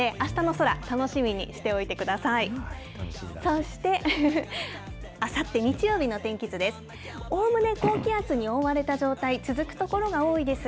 そして、あさって日曜日の天気図です。